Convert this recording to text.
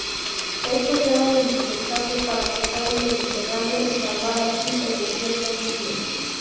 Estos eran indispensables para cruzar el Mediterráneo y salvar así el desierto libio.